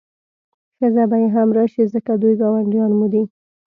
ښځه به یې هم راشي ځکه دوی ګاونډیان مو دي.